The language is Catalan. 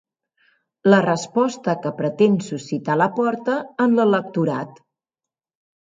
La resposta que pretén suscitar Laporta en l'electorat.